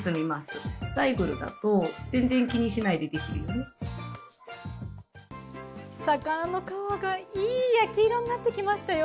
でも魚の皮がいい焼き色になってきましたよ。